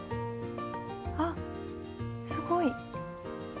あっすごい。